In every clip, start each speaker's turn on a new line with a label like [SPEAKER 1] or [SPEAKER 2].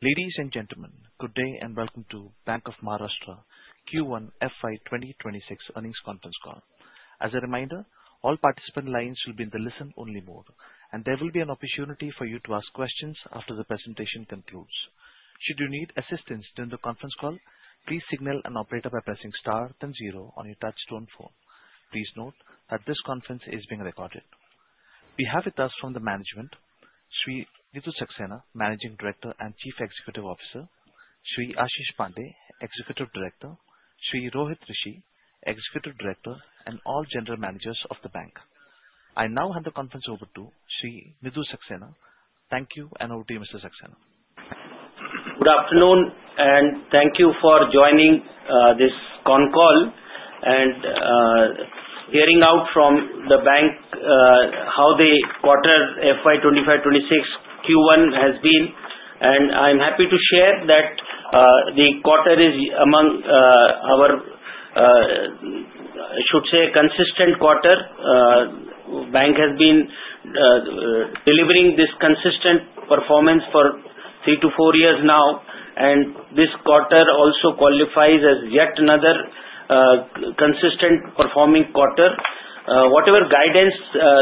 [SPEAKER 1] Ladies and gentlemen, good day and welcome to Bank of Maharashtra Q1FY2026 earnings conference call. As a reminder, all participant lines will be in the listen only mode. There will be an opportunity for you to ask questions after the presentation concludes. Should you need assistance during the conference call, please signal an operator by pressing Star then zero on your touchstone phone. Please note that this conference is being recorded. We have with us from the management Sri Nidhu Saxena, Managing Director and Chief Executive Officer, Sri Asheesh Pandey, Executive Director, Sri Rohit Rishi, Executive Director, and all General Managers of the bank. I now hand the conference over to Sri Nidhu Saxena. Thank you, and over to you Mr. Saxena.
[SPEAKER 2] Good afternoon and thank you for joining this con call and hearing out from the bank how the quarter FY25 26Q1 has been. I'm happy to share that the quarter is among our, I should say, consistent quarter. Bank of Maharashtra has been delivering this consistent performance for three to four years now. This quarter also qualifies as yet another consistent performing quarter. Whatever guidance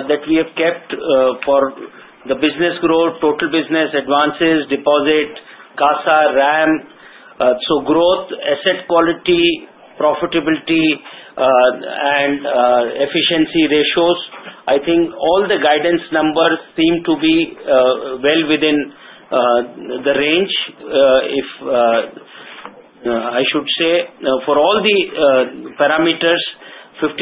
[SPEAKER 2] that we have kept for the business growth, total business, advances, deposit, CASA, RAM, growth, asset quality, profitability, and efficiency ratios, I think all the guidance numbers seem to be well within the range if I should say for all the parameters, 15,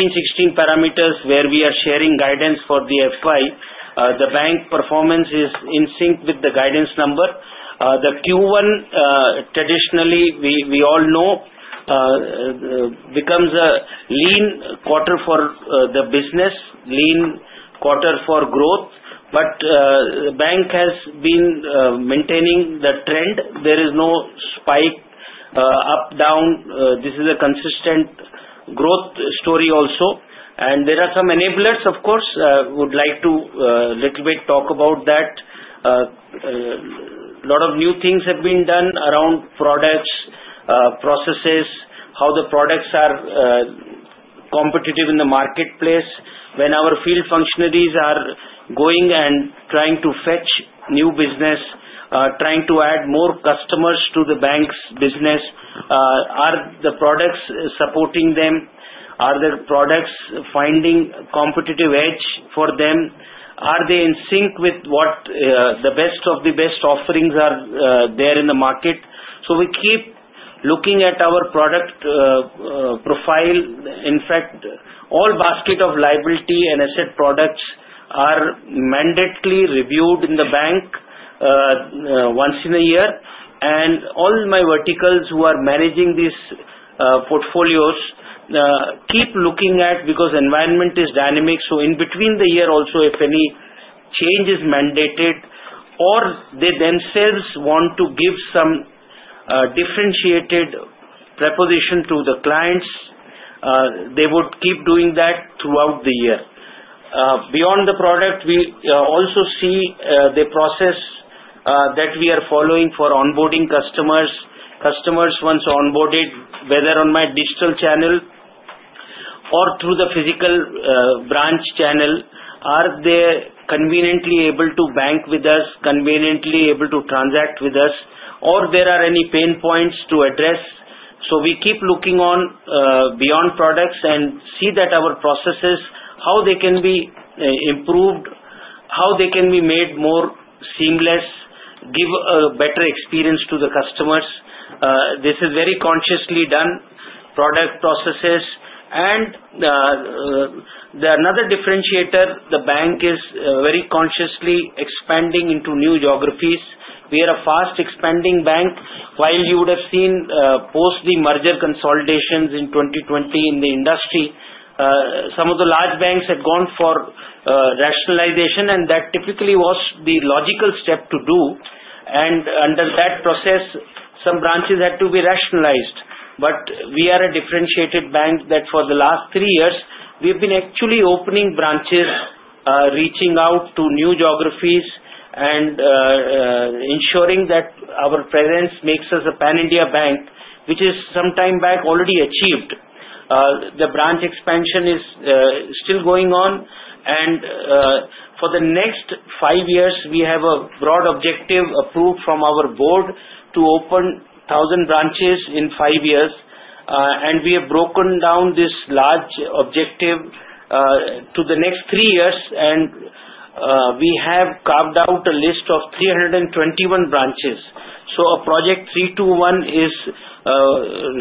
[SPEAKER 2] 16 parameters where we are sharing guidance for the FY, the bank performance is in sync with the guidance number. Q1 traditionally we all know becomes a lean quarter for the business, lean quarter for growth. Bank of Maharashtra has been maintaining the trend. There is no spike up or down. This is a consistent growth story also. There are some enablers, of course, would like to little bit talk about that. A lot of new things have been done around products, processes, how the products are competitive in the marketplace. When our field functionaries are going and trying to fetch new business, trying to add more customers to the bank's business, are the products supporting them? Are the products finding competitive edge for them? Are they in sync with what the best of the best offerings are there in the market? We keep looking at our product profile. In fact, all basket of liability and asset products are mandatedly reviewed in the bank once in a year. All my verticals who are managing these portfolios keep looking at because environment is dynamic. In between the year also if any change is mandated or they themselves want to give some differentiated preposition to the clients, they would keep doing that throughout the year. Beyond the product, we also see the process that we are following for onboarding customers. Customers once onboarded, whether on my digital channel or through the physical branch channel, are they conveniently able to bank with us, conveniently able to transact with us or are there any pain points to address? We keep looking on beyond products and see that our processes, how they can be improved, how they can be made more seamless, give a better experience to the customers. This is very consciously done product processes, and another differentiator, the bank is very consciously expanding into new geographies. We are a fast expanding bank. While you would have seen post the merger consolidations in 2020 in the industry, some of the large banks had gone for rationalization, and that typically was the logical step to do. Under that process, some branches had to be rationalized. We are a differentiated bank that for the last three years we've been actually opening branches, reaching out to new geographies, and ensuring that our presence makes us a pan India bank, which is sometime back already achieved. The branch expansion is still going on. For the next five years, we have a broad objective approved from our board to open 1,000 branches in five years. We have broken down this large objective to the next three years, and we have carved out a list of 321 branches. Project 321 is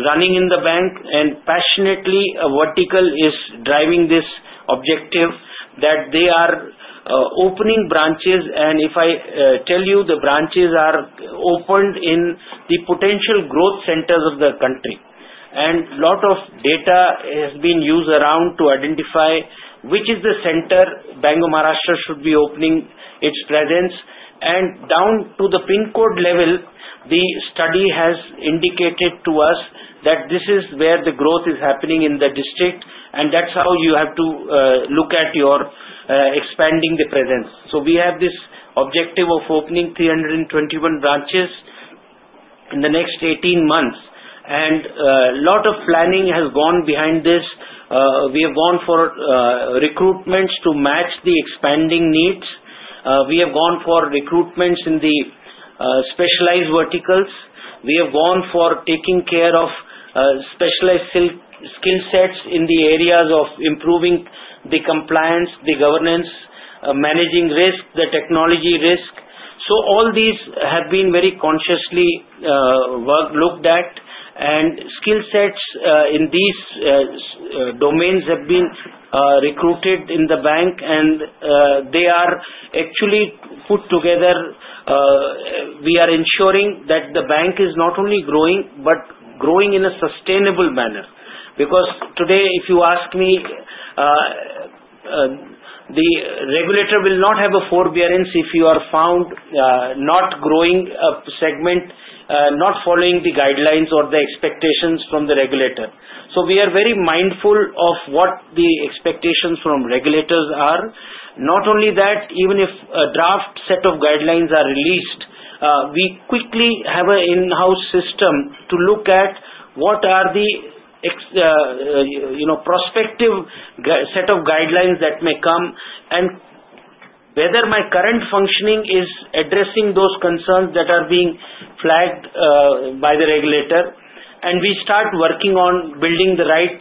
[SPEAKER 2] running in the bank, and passionately vertical is driving this objective that they are opening branches. If I tell you, the branches are opened in the potential growth centers of the country, and a lot of data has been used around to identify which is the center Bank of Maharashtra should be opening its presence and down to the pin code level. The study has indicated to us that this is where the growth is happening in the district. That's how you have to look at your expanding the presence. We have this objective of opening 321 branches in the next 18 months. A lot of planning has gone behind this. We have gone for recruitments to match the expanding needs. We have gone for recruitments in the specialized verticals. We have gone for taking care of specialized skill sets in the areas of improving the compliance, the governance, managing risk, the technology risk. All these have been very consciously looked at, and skill sets in these domains have been recruited in the bank, and they are actually put together. We are ensuring that the bank is not only growing but growing in a sustainable manner. Because today if you ask me, the regulator will not have a forbearance if you are found not growing a segment, not following the guidelines or the expectations from the regulator. We are very mindful of what the expectations from regulators are. Not only that, even if a draft set of guidelines are released, we quickly have an in-house system to look at what are the prospective set of guidelines that may come and whether my current functioning is addressing those concerns that are being flagged by the regulator. We start working on building the right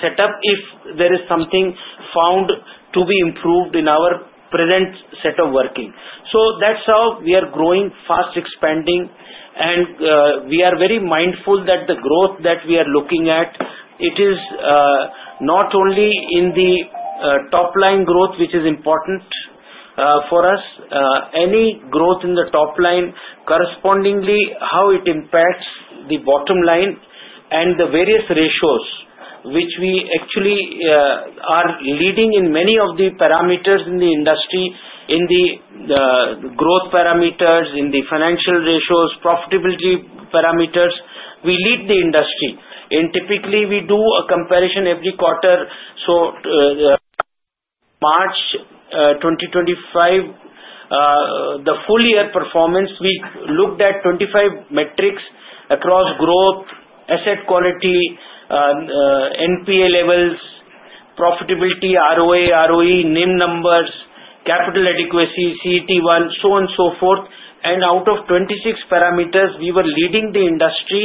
[SPEAKER 2] setup if there is something found to be improved in our present set of working. That's how we are growing, fast expanding, and we are very mindful that the growth that we are looking at is not only in the top line growth, which is important for us. Any growth in the top line, correspondingly, how it impacts the bottom line and the various ratios, which we actually are leading in many of the parameters in the industry, in the growth parameters, in the financial ratios, profitability parameters. We lead the industry and typically we do a comparison every quarter. For March 2025, the full year performance, we looked at 25 metrics across growth, asset quality, NPA levels, profitability, ROA, ROE, NIM, numbers, capital adequacy, CET1, and so on, so forth. Out of 26 parameters, we were leading the industry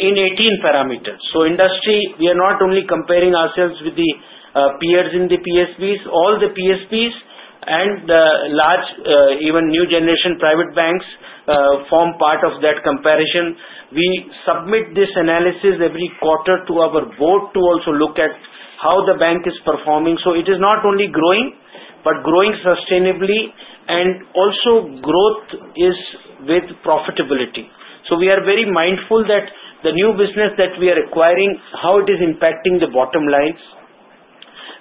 [SPEAKER 2] in 18 parameters. We are not only comparing ourselves with the peers in the PSBs, all the PSBs and even large new generation private banks form part of that comparison. We submit this analysis every quarter to our board to also look at how the bank is performing. It is not only growing but growing sustainably, and also growth is with profitability. We are very mindful that the new business that we are acquiring, how it is impacting the bottom lines,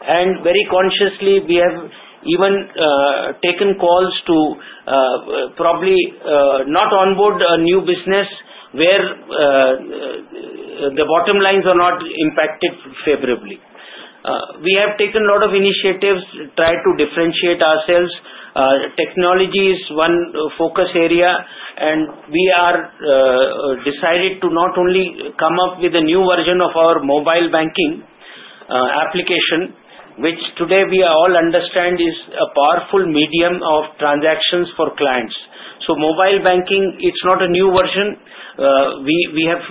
[SPEAKER 2] and very consciously we have even taken calls to probably not onboard a new business where the bottom lines are not impacted favorably. We have taken a lot of initiatives, tried to differentiate ourselves. Technology is one focus area, and we are decided to not only come up with a new version of our mobile banking application, which today we all understand is a powerful medium of transactions for clients. Mobile banking, it's not a new version. We have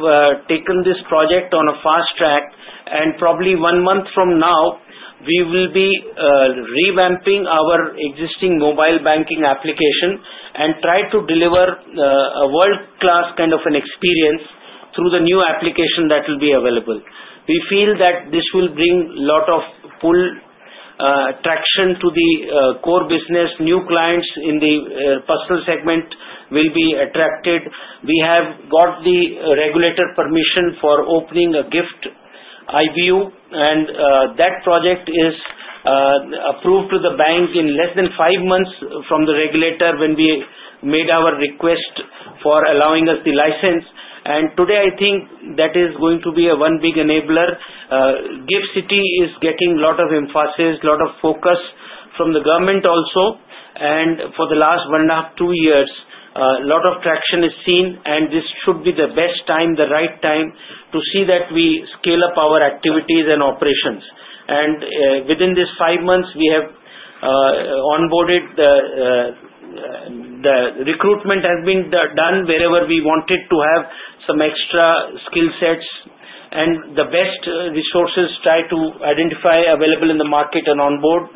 [SPEAKER 2] taken this project on a fast track, and probably one month from now we will be revamping our existing mobile banking application and try to deliver a world-class kind of an experience through the new application that will be available. We feel that this will bring a lot of full traction to the core business. New clients in the personal segment will be attracted. We have got the regulator permission for opening a GIFT IBU and that project is approved to the bank in less than five months from the regulator when we made our request for allowing us the license. I think that is going to be one big enabler. GIFT City is getting a lot of emphasis, a lot of focus from the government also. For the last one and a half, two years, a lot of traction is seen and this should be the best time, the right time to see that we scale up our activities and operations. Within this five months, we have onboarded, the recruitment has been done wherever we wanted to have some extra skill sets and the best resources, tried to identify available in the market and onboard.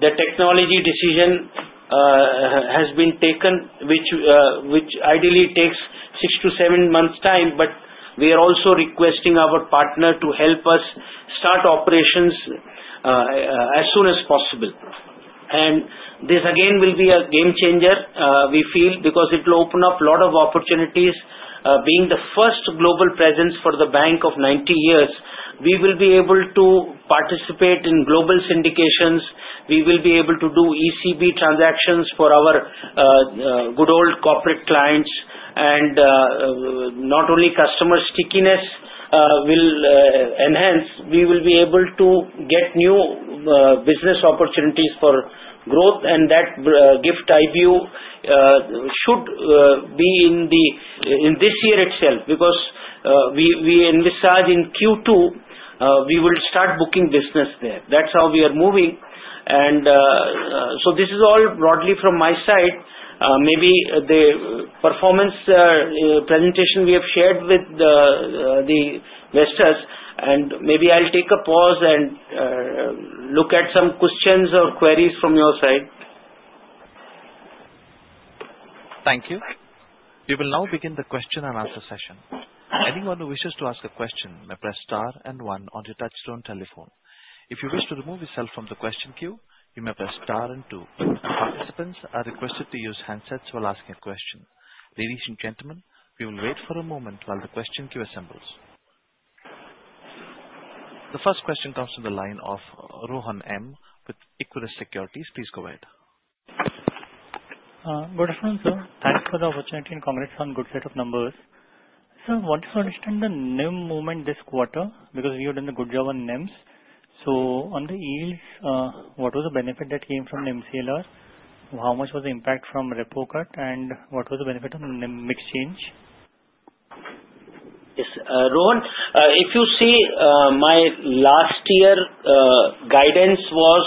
[SPEAKER 2] The technology decision has been taken, which ideally takes six to seven months' time. We are also requesting our partner to help us start operations as soon as possible. This again will be a game changer, we feel, because it will open up a lot of opportunities, being the first global presence for the Bank of Maharashtra of 90 years. We will be able to participate in global syndications, we will be able to do ECB transactions for our good old corporate clients, and not only customer stickiness will enhance, we will be able to get new business opportunities for growth. That GIFT IBU should be in this year itself because we envisage in Q2 we will start booking business there. That's how we are moving. This is all broadly from my side. Maybe the performance presentation we have shared with the investors and maybe I'll take a pause and look at some questions or queries from your side. Thank you.
[SPEAKER 1] We will now begin the question and answer session. Anyone who wishes to ask a question may press STAR and one on your touchstone telephone. If you wish to remove yourself from the question queue, you may press STAR and two. Participants are requested to use handsets while asking a question. Ladies and gentlemen, we will wait for a moment while the question queue assembles. The first question comes from the line of Rohan M with Icarus Securities. Please go ahead. Good afternoon sir. Thanks for the opportunity and congrats on good set of numbers sir. Want us to understand the NIM movement this quarter because you have done a good job on NIMs. On the yields, what was the benefit that came from MCLR repricing? How much was the impact from repo cut and what was the benefit of NIM exchange?
[SPEAKER 2] Yes Rohan, if you see my last year guidance was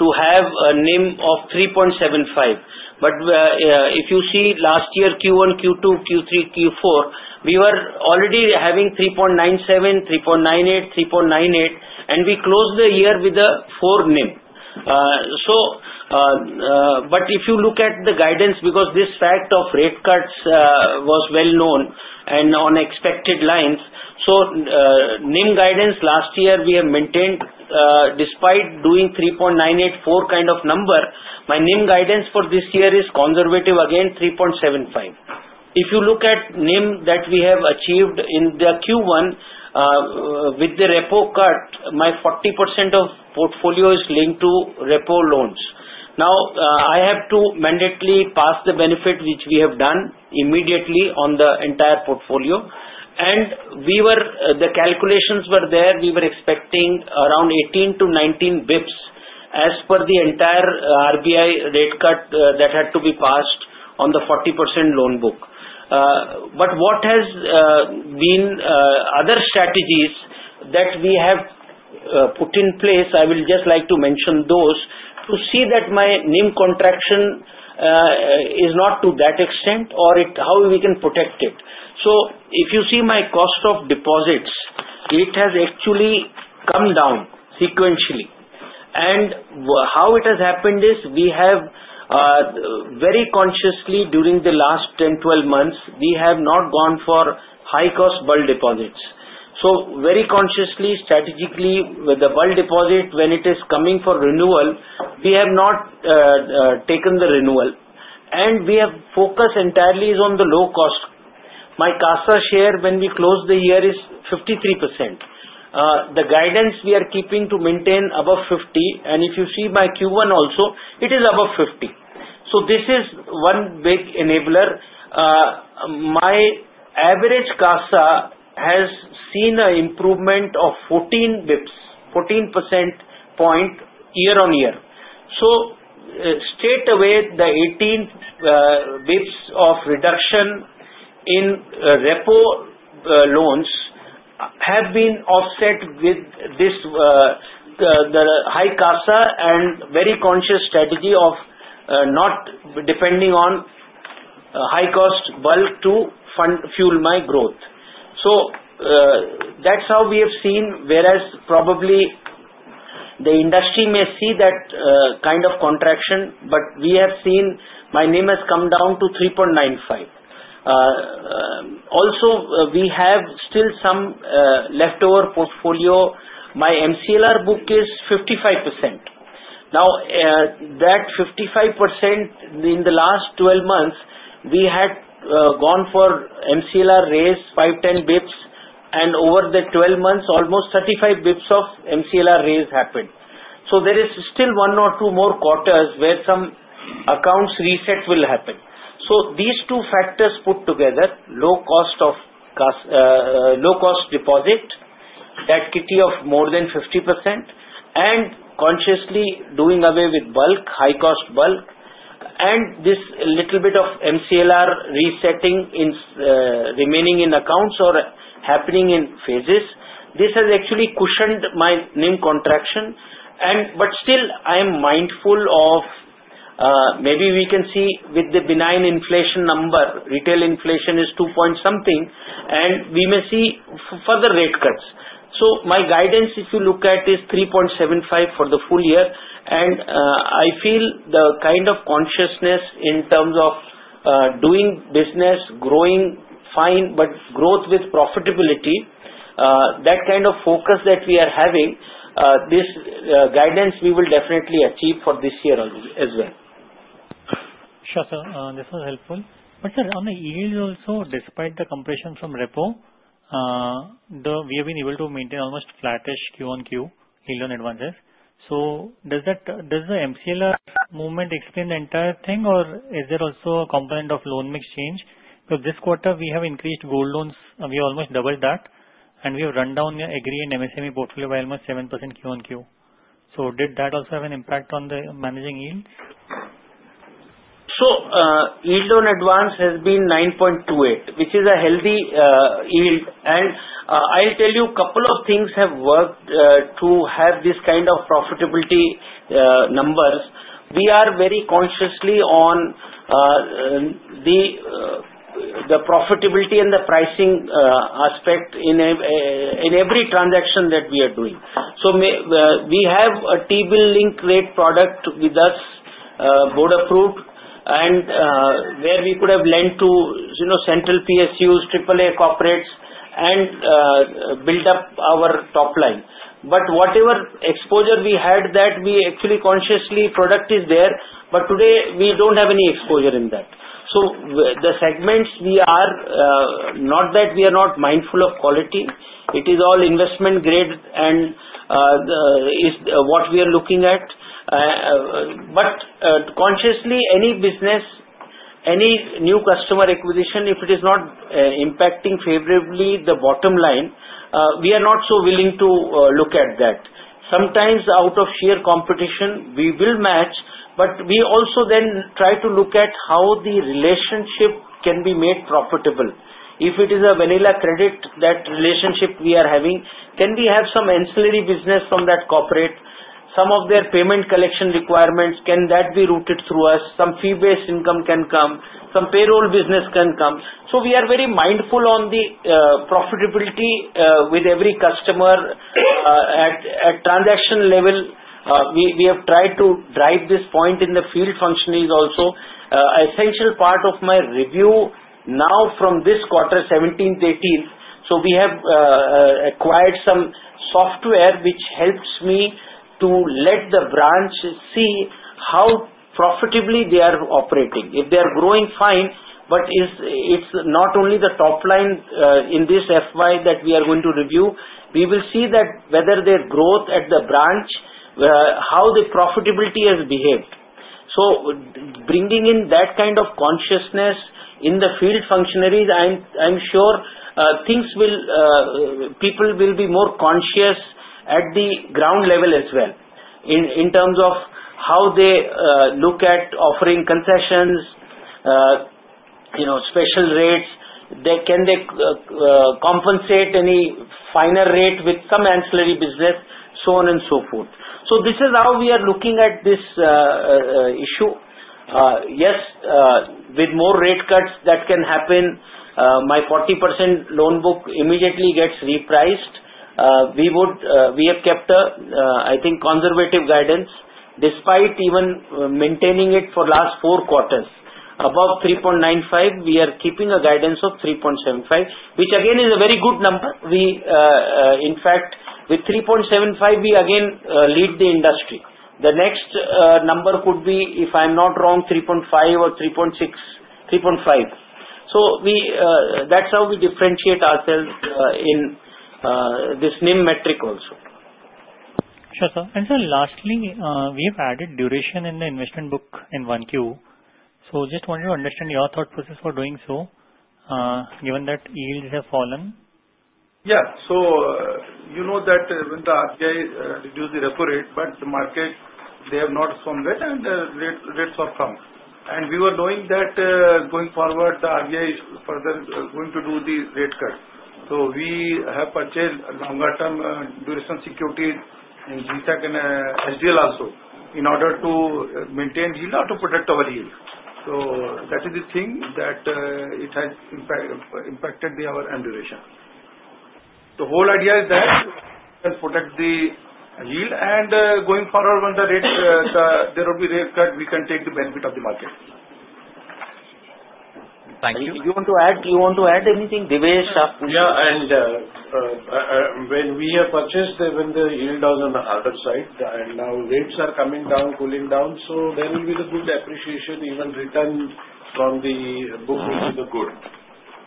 [SPEAKER 2] to have a NIM of 3.75 but if you see last year Q1, Q2, Q3, Q4 we were already having 3.97, 3.98, 3.98 and we closed the year with a 4 NIM. If you look at the guidance because this fact of rate cuts was well known and on expected lines, NIM guidance last year we have maintained despite doing 3.984 kind of number. My NIM guidance for this year is conservative again 3.75. If you look at NIM that we have achieved in the Q1 with the repo cut, my 40% of portfolio is linked to repo loans. Now I have to mandatorily pass the benefit which we have done immediately on the entire portfolio. The calculations were there, we were expecting around 18 to 19 bps as per the entire RBI rate cut that had to be passed on the 40% loan book. What has been other strategies that we have put in place? I will just like to mention those to see that my NIM contraction is not to that extent or how we can protect it. If you see my cost of deposits, it has actually come down sequentially. How it has happened is we have very consciously, during the last 10-12 months, we have not gone for high cost bulk deposits. Very consciously, strategically with the bulk deposit, when it is coming for renewal, we have not taken the renewal and we have focused entirely on the low cost. My CASA share when we closed the year is 53%. The guidance we are keeping to maintain above 50% and if you see by Q1 also it is above 50%. This is one big enabler. My average CASA has seen an improvement of 14 bps, 14% point year on year. Straight away the 18 bps of reduction in repo loans have been offset with this. The high CASA and very conscious strategy of not depending on high cost bulk to fuel my growth. That's how we have seen. Whereas probably the industry may see that kind of contraction, we have seen my NIM has come down to 3.95. Also we have still some leftover portfolio. My MCLR book is 55% now. That 55% in the last 12 months we had gone for MCLR raise 5-10 bps and over the 12 months almost 35 bps of MCLR raise happened. There is still one or two more quarters where some accounts reset will happen. These two factors put together, low cost deposit, that kitty of more than 50% and consciously doing away with bulk, high cost bulk and this little bit of MCLR resetting, remaining in accounts or happening in phases, this has actually cushioned my NIM contraction. I am mindful of maybe we can see with the benign inflation number, retail inflation is 2.% something and we may see further rate cuts. My guidance if you look at is 3.75% for the full year. I feel the kind of consciousness in terms of doing business growing fine, but growth with profitability, that kind of focus that we are having, this guidance we will definitely achieve for this year as well. Sure sir, this was helpful. On the yield also, despite the compression from repo, we have been able to maintain almost flattish Q-on-Q yield on loan advances. Does the MCLR movement explain the entire thing, or is there also a component of loan mix change? This quarter we have increased gold loans, we almost doubled that, and we have run down agri and MSME portfolio by almost 7% Q-on-Q. Did that also have an impact on the managing yield? Yield on advances has been 9.28% which is a healthy yield. I'll tell you a couple of things have worked to have this kind of profitability numbers. We are very consciously on the profitability and the pricing aspect in every transaction that we are doing. We have a T-bill linked rate product with us, board approved, and where we could have lent to Central PSUs, AAA corporates and built up our top line. Whatever exposure we had, we actually consciously, the product is there, but today we don't have any exposure in that. The segments, it's not that we are not mindful of quality. It is all investment grade and is what we are looking at. Consciously, any business, any new customer acquisition, if it is not impacting favorably the bottom line, we are not so willing to look at that. Sometimes out of sheer competition we will match. We also then try to look at how the relationship can be made profitable. If it is a vanilla credit, that relationship we are having, can we have some ancillary business from that corporate? Some of their payment collection requirements, can that be routed through us? Some fee-based income can come, some payroll business can come. We are very mindful on the profitability with every customer at transaction level. We have tried to drive this point in the field. Function is also essential. Part of my review now from this quarter, 17th, 18th, we have acquired some software which helps me to let the branch see how profitably they are operating. If they are growing, fine. It's not only the top line in this FY that we are going to review. We will see whether their growth at the branch, how the profitability has behaved. Bringing in that kind of consciousness in the field functionaries, I'm sure people will be more conscious at the ground level as well in terms of how they look at offering concessions, special rates, can they compensate any final rate with some ancillary business, and so on and so forth. This is how we are looking at this issue. Yes, with more rate cuts that can happen, my 40% loan book immediately gets repriced. We have kept, I think, conservative guidance despite even maintaining NIM for last four quarters above 3.95%. We are keeping a guidance of 3.75% which again is a very good number. In fact, with 3.75% we again lead the industry. The next number could be, if I'm not wrong, 3.5% or 3.6%. 3.5%. That's how we differentiate ourselves in this NIM metric also. Sure, sir. Lastly, we have added duration in the investment book in 1Q. I just wanted to understand your thought process for doing so, given that yields have fallen.
[SPEAKER 3] Yeah. You know that when the RBI reduced the repo rate, but the market, they have not swum that and rates were pumped. We were knowing that going forward the RBI is further going to do the rate cut. We have purchased longer term duration security in GTAC and HDL also in order to maintain yield or to protect our yield. That is the thing that it has impacted the hour ambulation. The whole idea is that and protect the yield, and going forward when the rate, there will be rate cut, we can take the benefit of the market.
[SPEAKER 2] Thank you. You want to add anything, Divesh? Yeah.
[SPEAKER 3] When we have purchased when the yield was on the harder side and now rates are coming down, cooling down, there will be the good appreciation. Even return from the book will be the good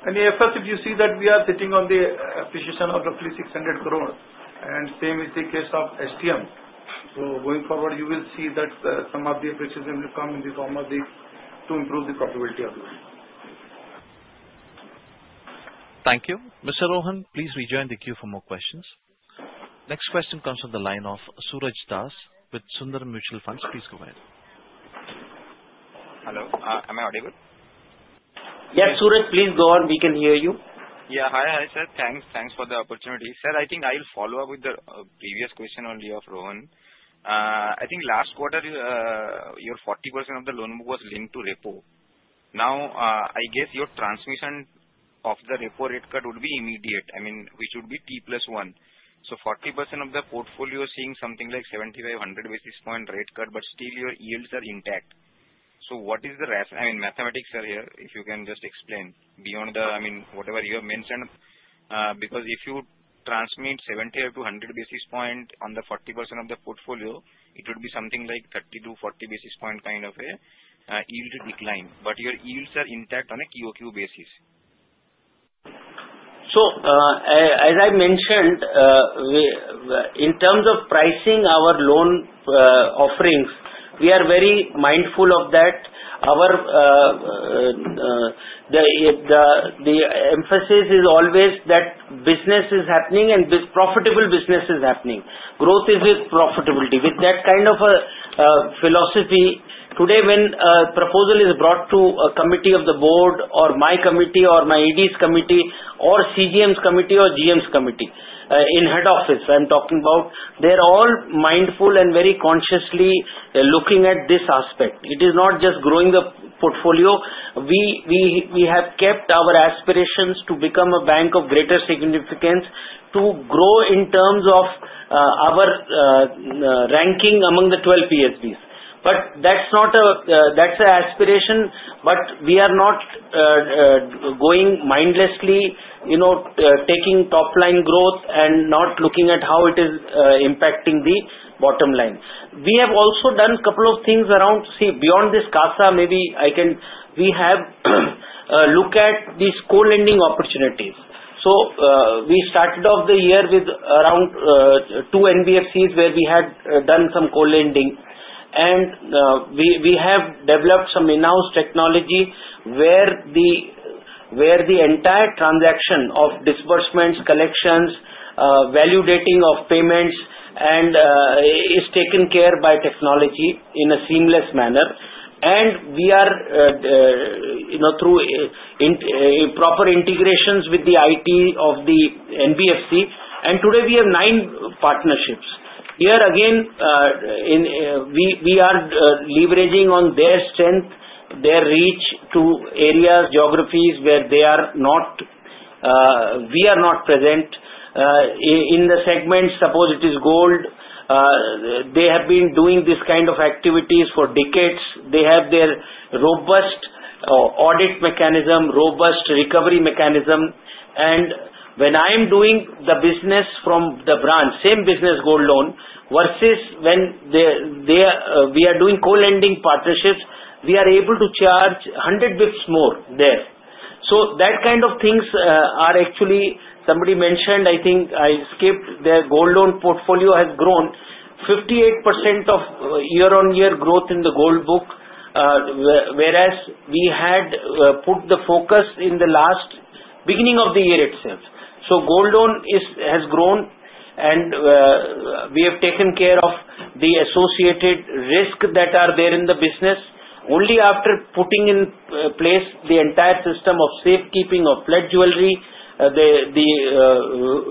[SPEAKER 3] and efficient. You see that we are sitting on the appreciation of roughly 600 crore, and same is the case of STM. Going forward you will see that some of the appreciation will come in the form of the. To improve the probability of.
[SPEAKER 1] Thank you. Mr. Rohan, please rejoin the queue for more questions. Next question comes from the line of Suraj Das with Sundaram Mutual Funds. Please go ahead. Hello. Am I audible?
[SPEAKER 2] Yes, Suraj, please go on. We can hear you. Yeah, hi. Hi sir. Thanks. Thanks for the opportunity. Sir, I think I'll follow up with the previous question only of Rohan. I think last quarter your 40% of the loan was linked to repo. Now I guess your transmission of the repo rate cut would be immediate, which would be T+1. 40% of the portfolio seeing something like 75 to 100 basis point rate cut, but still your yields are intact. What is the rest? I mean mathematics are here. If you can just explain beyond the, I mean whatever you have mentioned. Because if you transmit 75 to 100 basis point on the 40% of the portfolio, it would be something like 30 to 40 basis point kind of a yield decline, but your yields are intact on a QOQ basis. As I mentioned, in terms of pricing our loan offerings, we are very mindful of that. The emphasis is always that business is happening and profitable business is happening. Growth is with profit, profitability with that kind of a philosophy. Today, when a proposal is brought to a committee of the Board or my committee or my ED's committee or CGM's committee or GM's committee in Head Office, I am talking about, they are all mindful and very consciously looking at this aspect. It is not just growing the portfolio. We have kept our aspirations to become a bank of greater significance, to grow in terms of our ranking among the 12 PSBs. That's an aspiration. We are not going mindlessly, you know, taking top line growth and not looking at how it is impacting the bottom line. We have also done a couple of things around. Beyond this CASA, maybe I can, we have looked at these co-lending opportunities. We started off the year with around two NBFCs where we had done some co-lending, and we have developed some advanced technology where the entire transaction of disbursements, collections, validating of payments is taken care of by technology in a seamless manner. We are, through proper integrations with the IT of the NBFC. Today, we have nine partnerships. Here again, we are leveraging on their strength, their reach to areas, geographies where we are not present in the segments. Suppose it is gold. They have been doing this kind of activities for decades. They have their robust audit mechanism, robust recovery mechanism. When I am doing the business from the branch, same business, gold loan, versus when we are doing co-lending partnerships, we are able to charge 100 bps more there. That kind of things are actually, somebody mentioned, I think I skipped. Their gold loan portfolio has grown 58% of year-on-year growth in the gold book. We had put the focus in the last beginning of the year itself. Gold loan has grown, and we have taken care of the associated risk that are there in the business. Only after putting in place the entire system of safekeeping of pledged jewelry, the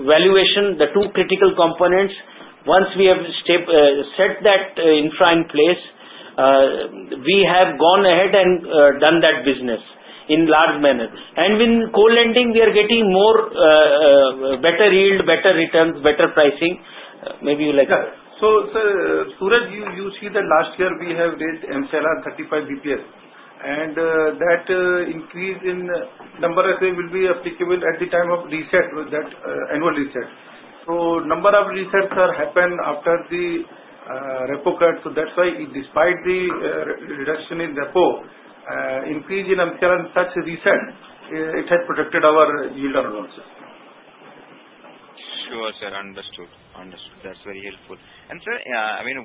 [SPEAKER 2] valuation, the two critical components. Once we have set that infra in place, we have gone ahead and done that business in large manner. In co-lending, we are getting more, better yield, better returns, better pricing. Maybe you like.
[SPEAKER 3] Suraj, you see last year we have reached MSR 35 BPL and that increase in number will be applicable at the time of reset with that annual reset. Number of resets happen after the repo cut. That's why despite the reduction in repo, increase in MCLR and such reset, it has protected our yields. Sure, sir. That's very helpful. Sir,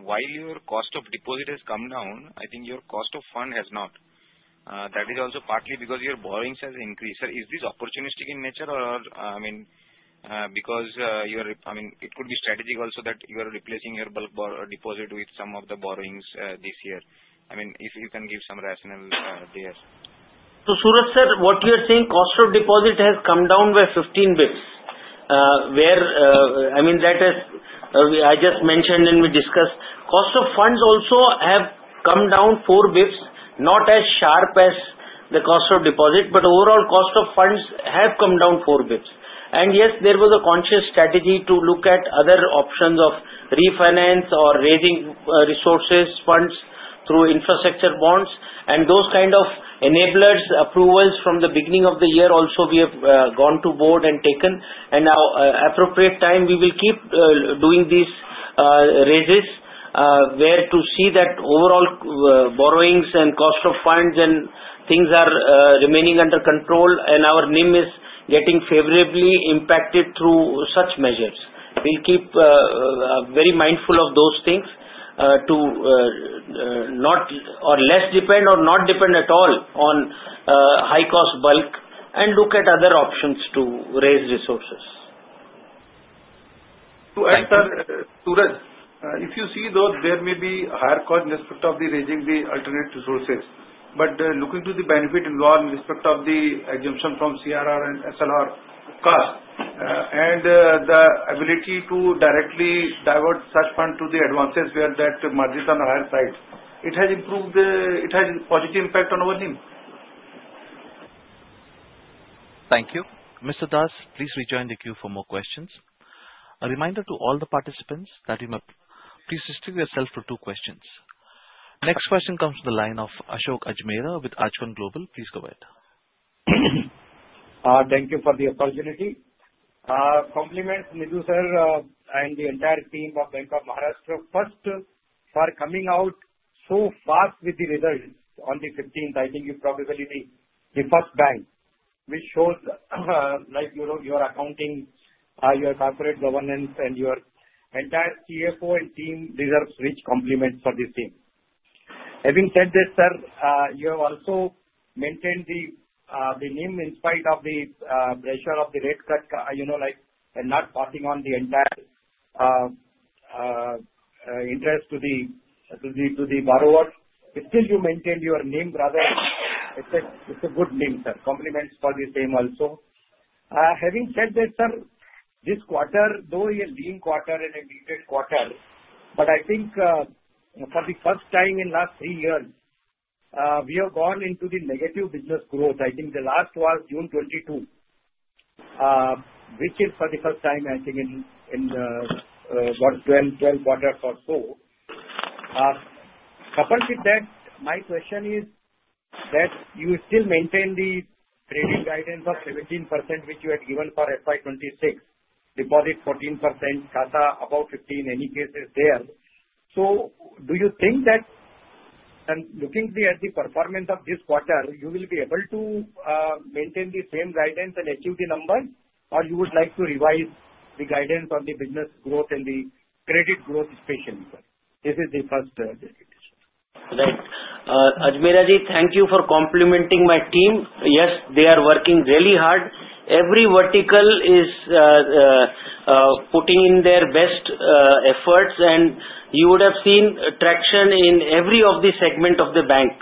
[SPEAKER 3] while your cost of deposit has come down, I think your cost of fund has not. That is also partly because your borrowings have increased. Is this opportunistic in nature, or could it be strategic also that you are replacing your bulk deposit with some of the borrowings this year? If you can give some rationale there.
[SPEAKER 2] Surat sir, what you are saying is cost of deposit has come down by 15 bps. I just mentioned and we discussed cost of funds also have come down 4 bps, not as sharp as the cost of deposit. Overall, cost of funds have come down 4 bps. Yes, there was a conscious strategy to look at other options of refinance or raising resources funds through infrastructure bonds and those kind of enablers, provided approvals from the beginning of the year. Also, we have gone to board and taken at appropriate time. We will keep doing these raises to see that overall borrowings and cost of funds and things are remaining under control. Our NIM is getting favorably impacted through such measures. We will keep very mindful of those things to not or less depend or not depend at all on high cost bulk and look at other options to raise resources.
[SPEAKER 3] To answer Suraj, if you see, though there may be higher cost in respect of raising the alternate resources, looking to the benefit involved in respect of the exemption from CRR and SLR cost and the ability to directly divert such fund to the advances where the margins on higher sides, it has improved. It has positive impact on our NIM.
[SPEAKER 1] Thank you, Mr. Das. Please rejoin the queue for more questions. A reminder to all the participants that you may please distinguish yourself for two questions. Next question comes from the line of Ashok Ajmera with Ajkan Global. Please go ahead. Thank you for the opportunity. Compliments Nidhu sir and the entire team of Bank of Maharashtra. First, for coming out so fast with the results on the 15th. I think you are probably the first bank which shows, like, you know, your accounting, your corporate governance, and your entire CFO and team deserve rich compliments for this team. Having said this, sir, you have also maintained the NIM in spite of the pressure of the rate cut, you know, like, and not passing on the entire interest to the borrowers. Still, you maintain your NIM, brother. It's a good name, sir. Compliments for the same. Also, having said that, sir, this quarter, though a lean quarter and a needed quarter, I think for the first time in the last three years we have gone into the negative business growth. I think the last was June 2022, which is for the first time, I think, in what, 12 quarters or so. Coupled with that, my question is that you still maintain the trading guidance of 17% which you had given for FY26, deposit 14%, CASA about 15%. In any cases, there are. Do you think that looking at the performance of this quarter you will be able to maintain the same guidance and achieve the numbers, or you would like to revise the guidance on the business growth and the credit growth especially? This is the first.
[SPEAKER 2] Ajmeraji, thank you for complimenting my team. Yes, they are working really hard. Every vertical is putting in their best efforts and you would have seen traction in every segment of the bank.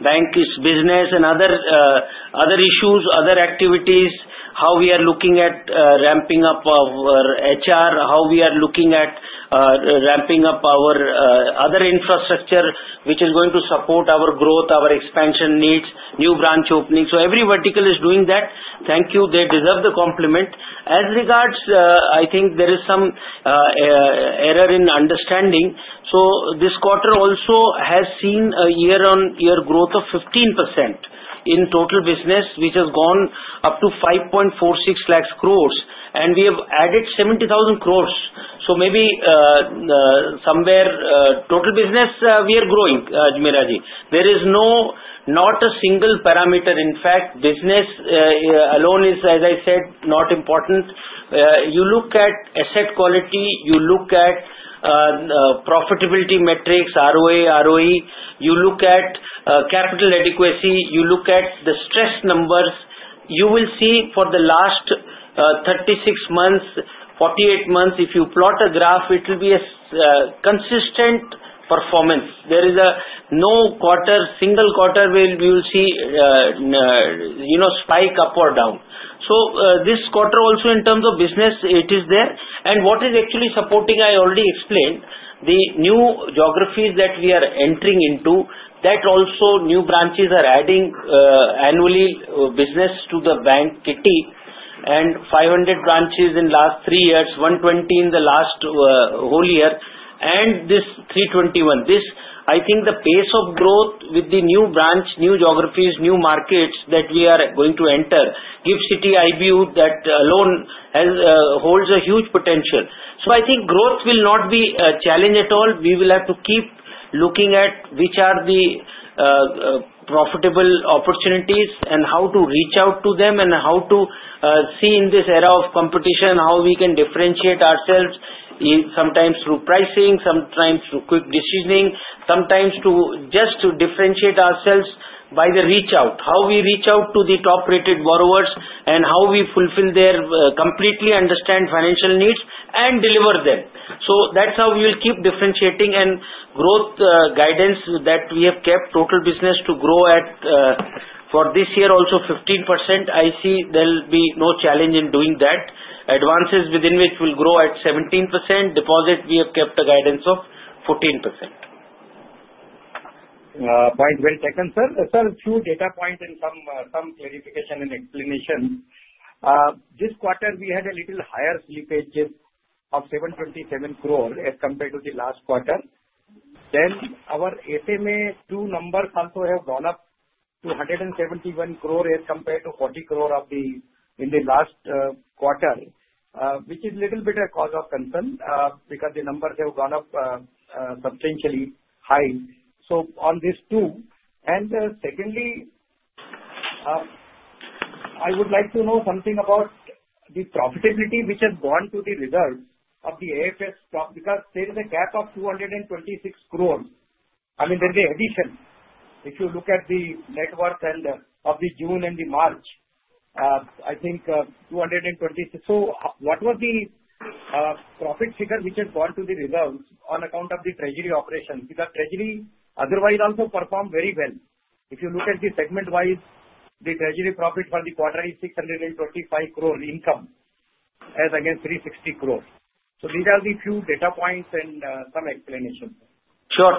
[SPEAKER 2] Bank is business and other issues, other activities. How we are looking at ramping up our HR, how we are looking at ramping up our other infrastructure which is going to support our growth. Our expansion needs new branch opening, so every vertical is doing that. Thank you, they deserve the compliment. As regards, I think there is some error in understanding. This quarter also has seen a year-on-year growth of 15% in total business which has gone up to 5.46 lakh crore and we have added 70,000 crore. Maybe somewhere total business we are growing. There is not a single parameter. In fact, business alone is, as I said, not important. You look at asset quality, you look at profitability metrics, ROA, ROE, you look at capital adequacy, you look at the stress numbers. You will see for the last 36 months, 48 months, if you plot a graph it will be a consistent performance. There is no single quarter where we will see spike up or down. This quarter also in terms of business it is there and what is actually supporting, I already explained the new geographies that we are entering into. That also, new branches are adding annual business to the bank kitty and for 500 branches in the last three years, 120 in the last whole year and this Project 321. I think the pace of growth with the new branch, new geographies, new markets that we are going to enter gives GIFT City. I view that alone holds a huge potential. I think growth will not be a challenge at all. We will have to keep looking at which are the profitable opportunities and how to reach out to them and how to see in this era of competition how we can differentiate ourselves. Sometimes through pricing, sometimes through quick decisioning, sometimes just to differentiate ourselves by the reach out, how we reach out to the top rated borrowers and how we completely understand their financial needs and deliver them. That's how we will keep differentiating and growth guidance that we have kept, total business to grow at for this year also 15%. I see there will be no challenge in doing that. Advances within which will grow at 17%, deposit we have kept a guidance of 14%. Point well taken, sir. A few data points and some clarification and explanation. This quarter we had a little higher slippage of 727 crore as compared to the last quarter. Our SMA2 numbers also have gone up to 171 crore as compared to 40 crore in the last quarter, which is a little bit of a cause of concern because the numbers have gone up substantially high. On this too, I would like to know something about the profitability which has gone to the results of the AFS stock because there is a gap of 226 crore. I mean there's an addition if you look at the net worth of June and March, I think 226 crore. What was the profit figure which has gone to the reserves on account of the treasury operations? Treasury otherwise also performed very well. If you look at the segment-wise, the treasury profit for the quarter is 625 crore income as against 360 crore. These are the few data points and some explanations. Sure.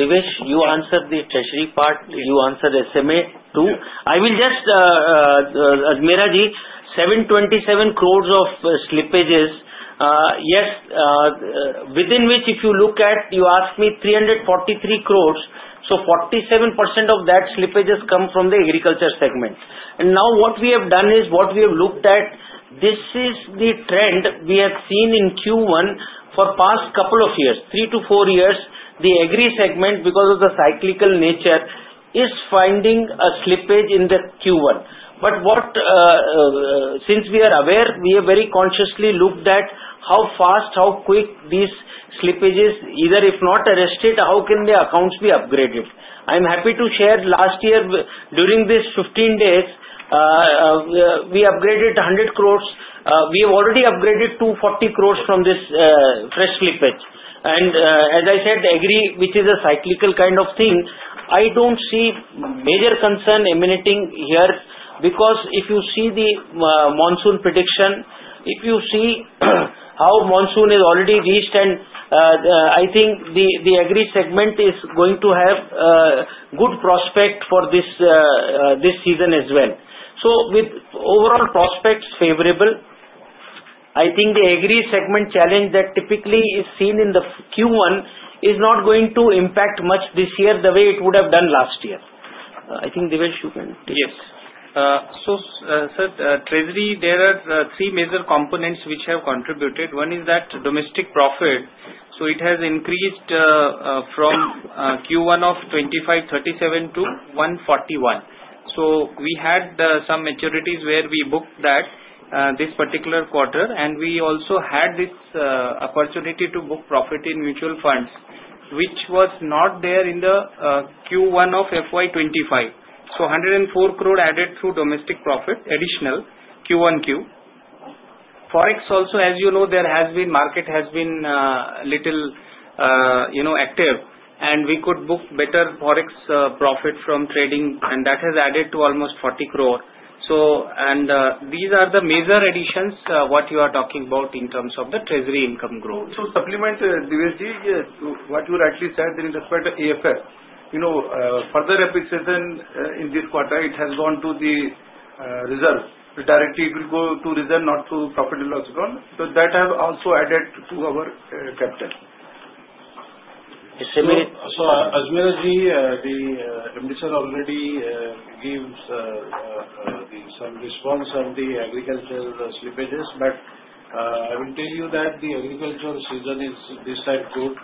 [SPEAKER 2] Divesh, you answered the treasury part. You answered SMA too. Ajmeraji, 727 crore of slippages. Yes. Within which, if you look at, you ask me 343 crore. So 47% of that slippage has come from the agri segment. What we have done is, what we have looked at, this is the trend we have seen in Q1 for the past couple of years, three to four years. The agri segment, because of the cyclical nature, is finding a slippage in Q1. Since we are aware, we have very consciously looked at how fast, how quick these slippages, either if not arrested, how can their accounts be updated. I am happy to share, last year during this 15 days we upgraded 100 crore. We have already upgraded to 40 crore from this fresh slippage. As I said, agri, which is a cyclical kind of thing, I don't see major concern emanating here because if you see the monsoon prediction, if you see how monsoon has already reached, I think the agri segment is going to have good prospect for this season as well. With overall prospects favorable, I think the agri segment challenge that typically is seen in Q1 is not going to impact much this year the way it would have done last year. Divesh, you can take. Yes, sir, treasury, there are three major components which have contributed. One is that domestic profit, so it has increased from Q1 of 2,537 crore to 141 crore. We had some maturities where we booked that this particular quarter and we also had this opportunity to book profit in mutual funds, which was not there in Q1 of FY25. So 104 crore added through domestic profit additional Q1Q forex. Also, as you know, the market has been a little active and we could book better forex profit from trading and that has added to almost 40 crore. These are the major additions you are talking about in terms.
[SPEAKER 3] Of the treasury income growth to supplement diversity, what you rightly said that in respect to AFS, you know, further epic season in this quarter, it has gone to the result directly. It will go to result, not to profit and loss draw. That has also added to our capital. As much as the MD sir already gives some response on the agricultural slippages, I will tell you that the agriculture season is this type good.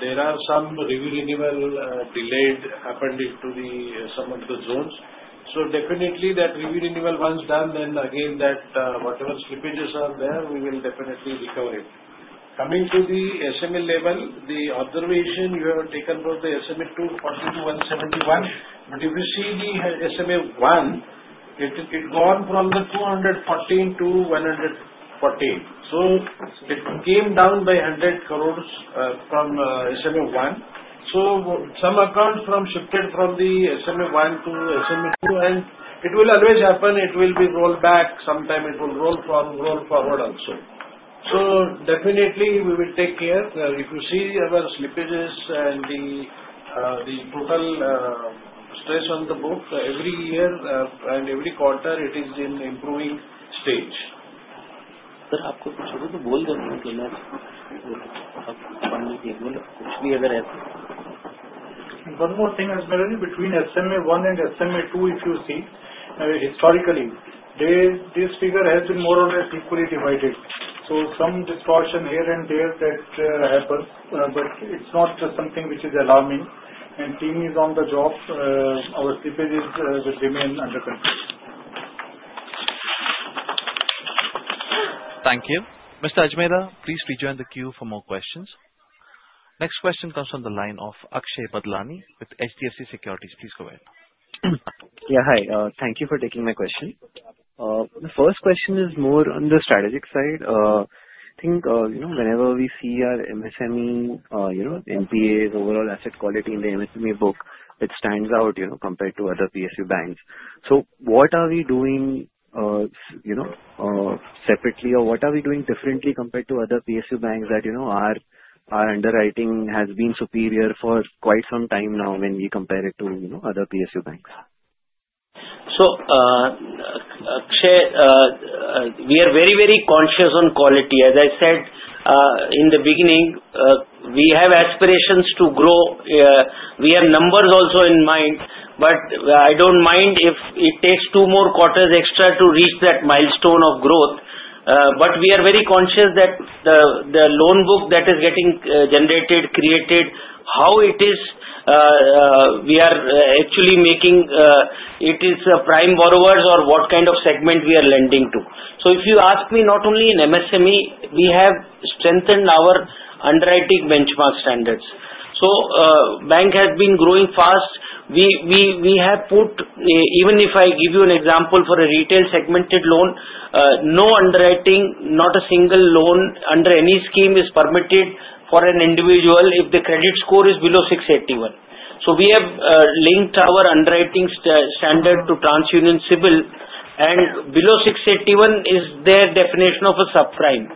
[SPEAKER 3] There are some review renewal delayed happened in some of the zones. Definitely, that review renewal once done, then again, whatever slippages are there, we will definitely recover it. Coming to the SMA level, the observation you have taken for the SMA2 42,171, but if you see the SMA1, it gone from the 24,014 to 114, so it came down by 1 billion from SMA1. Some accounts shifted from the SMA1 to SMA2, and it will always happen. It will be rolled back sometime, it will roll forward also, so definitely we will take care. If you see our slippages and the total stress on the book every year and every quarter, it is in improving stage. One more thing, as me between SMA1 and SMA2, if you see historically, this figure has been more or less equally divided, so some distortion here and there happens, but it's not just something which is alarming, and team is on the job. Our slippages will remain under control.
[SPEAKER 2] Thank you.
[SPEAKER 1] Mr. Ajmera, please rejoin the queue for more questions. Next question comes from the line of Akshay Badlani with HDFC Securities. Please go ahead. Hi.
[SPEAKER 2] Thank you for taking my question. The first question is more on the strategic side. I think whenever we see our MSME NPAs, overall asset quality in the MSME book, it stands out compared to other PSU banks. What are we doing separately or what are we doing differently compared to other PSU banks that our underwriting has been superior for quite some time now when we compare it to other PSU banks? We are very, very conscious on quality. As I said in the beginning, we have aspirations to grow. We have numbers also in mind. I don't mind if it takes two more quarters extra to reach that milestone of growth. We are very conscious that the loan book that is getting generated, created, how it is, we are actually making it is prime borrowers or what kind of segment we are lending to. If you ask me, not only in MSME, we have strengthened our underwriting benchmark standards. The bank has been growing fast. Even if I give you an example for a retail segmented loan, no underwriting, not a single loan under any scheme is permitted for an individual if the credit score is below 681. We have linked our underwriting statement standard to TransUnion CIBIL, and below 681 is their definition of a subprime.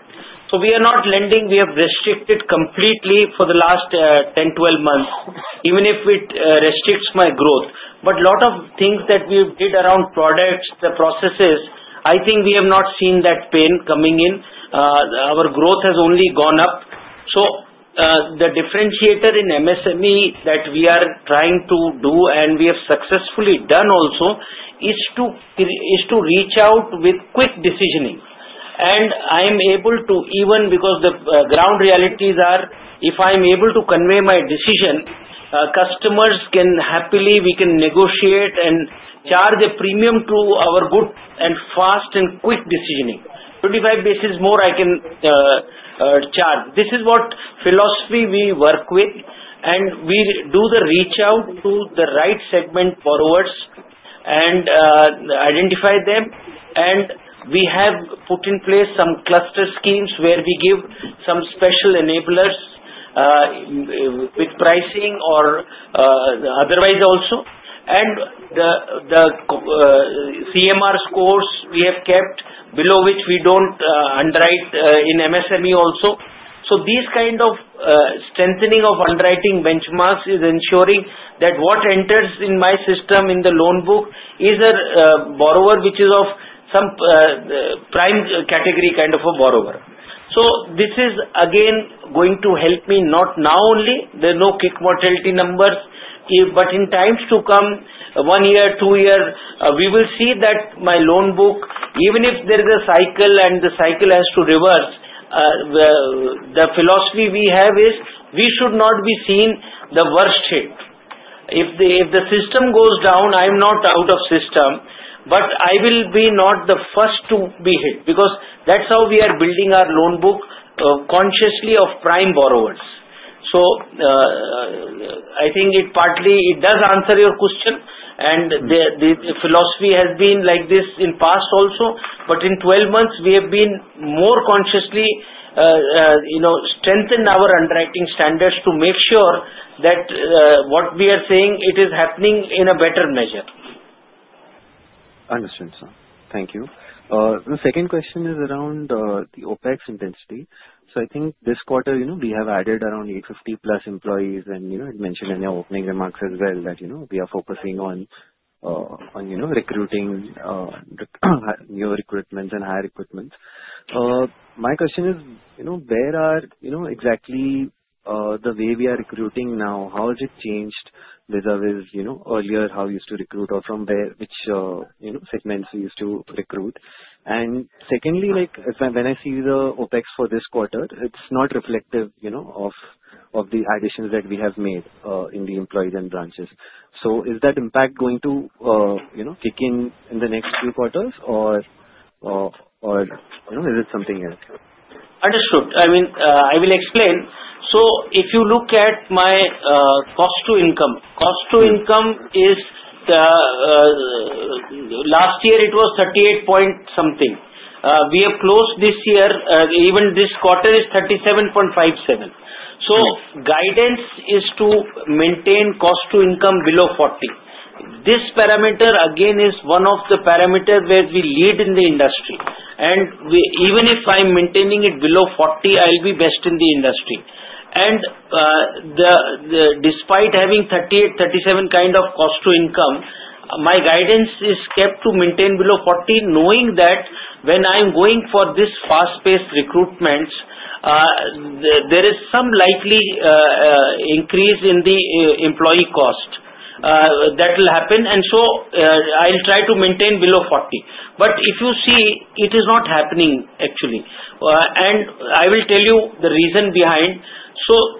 [SPEAKER 2] We are not lending. We have restricted completely for the last 10-12 months even if it restricts my growth. A lot of things that we did around products, the processes, I think we have not seen that pain coming in. Our growth has only gone up. The differentiator in MSME that we are trying to do and we have successfully done also is to reach out with quick decisioning. I am able to, because the ground realities are, if I am able to convey my decision, customers can happily, we can negotiate and charge a premium to our good and fast and quick decisioning. 25 basis more I can charge. This is what philosophy we work with and we do the reach out to the right segment borrowers and identify them. We have put in place some cluster schemes where we give some special enablers with pricing or otherwise also, and the CMR scores we have kept below which we don't underwrite in MSME also. These kind of strengthening of underwriting benchmarks is ensuring that what enters in my system in the loan book is a borrower which is of some prime category kind of a borrower. This is again going to help me, not now only, there are no kick mortality numbers. In times to come, one year, two years, we will see that my loan book, even if there is a cycle and the cycle has to reverse, the philosophy we have is we should not be seen the worst hit if the system goes down. I am not out of system, but I will be not the first to be hit because that's how we are building our loan book consciously of prime borrowers. I think it partly does answer your question. The philosophy has been like this in past also. In 12 months we have been more consciously strengthened our underwriting standards to make sure that what we are saying is happening in a better measure. Understood sir. Thank you. The second question is around the OpEx intensity. I think this quarter we have added around 850 plus employees. You mentioned in your opening remarks as well that we are focusing on recruiting newer equipment and higher equipment. My question is where exactly are we recruiting now? How has it changed vis-a-vis earlier, how we used to recruit or from which segments we used to recruit? When I see the OpEx for this quarter, it's not reflective of the additions that we have made in the employees and branches.
[SPEAKER 1] So.
[SPEAKER 2] Is that impact going to kick in in the next few quarters or is it something else? Understood. I mean I will explain. If you look at my cost-to-income, cost-to-income last year was 38 point something. We have closed this year, even this quarter, at 37.57. Guidance is to maintain cost-to-income below 40%. This parameter again is one of the parameters where we lead in the industry. Even if I am maintaining it below 40%, I will be best in the industry. Despite having 38%, 37% kind of cost-to-income, my guidance is kept to maintain below 40%. Knowing that when I am going for this fast-paced recruitment, there is some likely increase in the employee cost that will happen. I will try to maintain below 40%. If you see, it is not happening actually and I will tell you the reason behind it.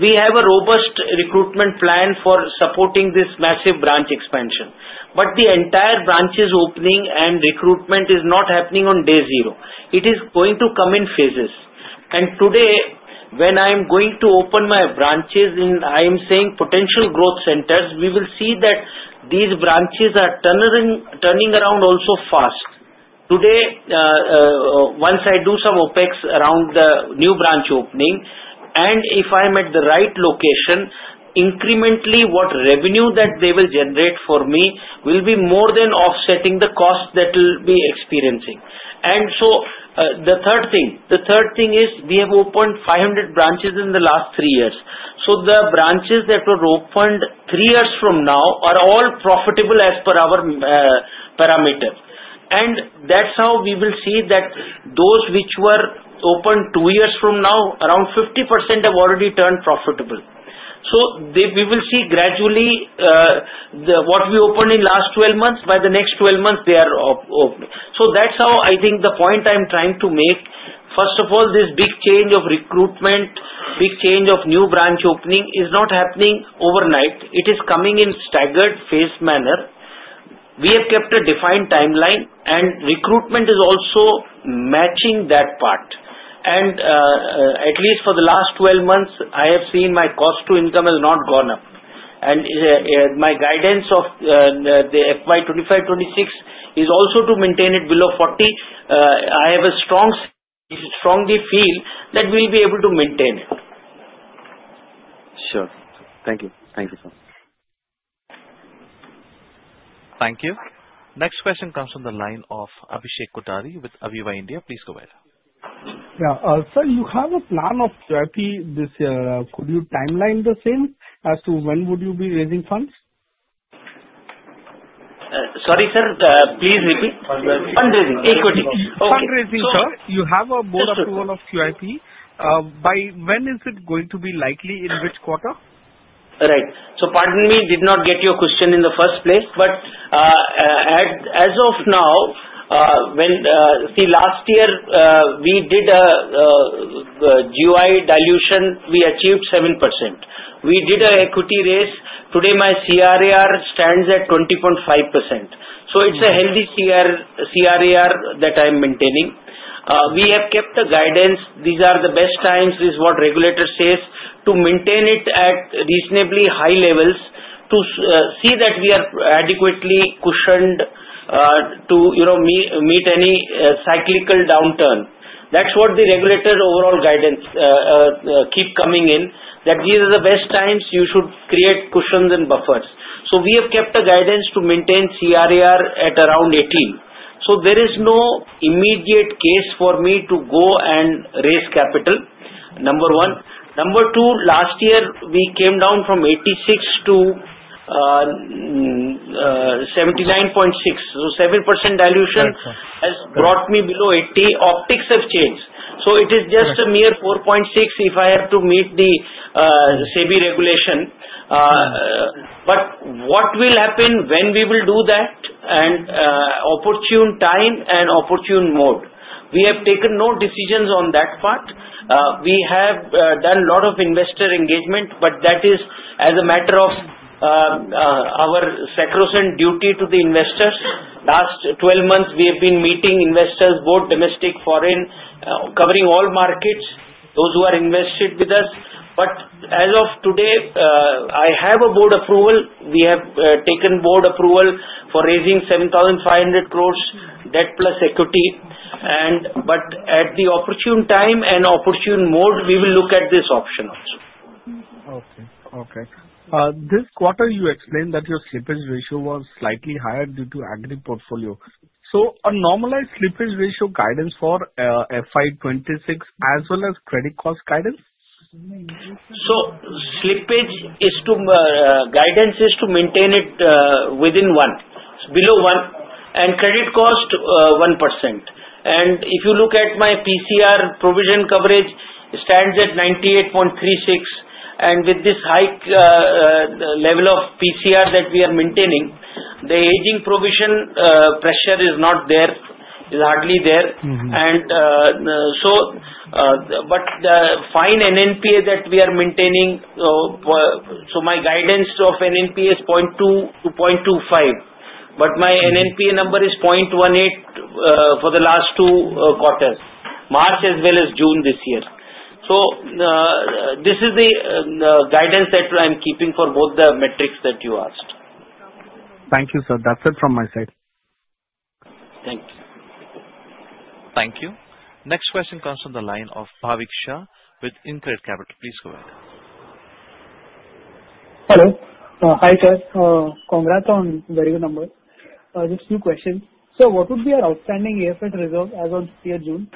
[SPEAKER 2] We have a robust recruitment plan for supporting this massive branch expansion. The entire branch opening and recruitment is not happening on day zero. It is going to come in phases. Today, when I am going to open my branches and I am saying potential growth centers, we will see that these branches are turning around also fast. Once I do some OpEx around the new branch opening and if I am at the right location, incrementally, what revenue they will generate for me will be more than offsetting the cost that will be experienced. The third thing is we have opened 500 branches in the last three years. The branches that were opened three years from now are all profitable as per our parameter. That's how we will see that those which were opened two years from now, around 50% have already turned profitable. We will see gradually what we opened in the last 12 months, by the next 12 months they are open. That's the point I am trying to make. First of all, this big change of recruitment, big change of new branch opening is not happening overnight. It is coming in a staggered phase manner. We have kept a defined timeline and recruitment is also matching that part. At least for the last 12 months, I have seen my cost-to-income has not gone up. My guidance for FY25-26 is also to maintain it below 40%. I strongly feel that we will be able to maintain it. Sure. Thank you. Thank you, sir. Thank you.
[SPEAKER 1] Next question comes from the line of Abhishek Kothari with Aviva India. Please go ahead. Sir, you have a plan of QIP this year. Could you timeline the same as to when would you be raising funds?
[SPEAKER 2] Sorry sir, please repeat. Fundraising, equity fundraising. Sir, you have a board approval of QIP. By when is it going to be likely? In which quarter? Right, pardon me, did not get your question in the first place, but as of now, last year we did a GUI dilution, we achieved 7%, we did an equity raise. Today my CRAR stands at 20.5%. It is a healthy CRAR that I'm maintaining. We have kept the guidance, these are the best times. This is what regulator says to maintain it at reasonably high levels to see that we are adequately cushioned to meet any cyclical downturn. That is what the regulator overall guidance keeps coming in that these are the best times, you should create cushions and buffers. We have kept a guidance to maintain CRAR at around 18%. There is no immediate case for me to go and raise capital, number one. Number two, last year we came down from 86 to 79.6. So 7% dilution has brought me below 80. Optics have changed, it is just a mere 4.6 if I have to meet the SEBI regulation. What will happen when we will do that? At opportune time and opportune mode, we have taken no decisions on that part. We have done a lot of investor engagement. That is as a matter of our sacrosanct duty to the investors. Last 12 months we have been meeting investors both domestic, foreign, covering all markets. Those who are invested with us. As of today I have a board approval. We have taken board approval for raising 7,500 crore debt plus equity. At the opportune time and opportune mode we will look at this option also. Okay. This quarter you explained that your slippage ratio was slightly higher due to agri portfolio. A normalized slippage ratio guidance for FY 2026 as well as credit cost guidance. Slippage guidance is to maintain it within 1, below 1, and credit cost 1%. If you look at my provision coverage ratio, provision coverage stands at 98.36%. With this high level of provision coverage ratio that we are maintaining, the aging provision pressure is hardly there. With the fine NNPA that we are maintaining, my guidance of NNPA is 0.2% to 0.25%. My NNPA number is 0.18% for the last two quarters, March as well as June this year. This is the guidance that I am keeping for both the metrics that you asked. Thank you, sir. That's it from my side. Thank you.
[SPEAKER 1] Thank you. Next question comes from the line of Bhavik Shah with Incred Capital. Please go ahead. Hello. Hi. Sir, congrats on very good numbers. Just new question, sir. What would be our outstanding AFS reserve as on the 5th June?